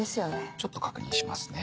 ちょっと確認しますね。